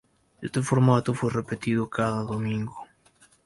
Este formato fue repetido cada domingo.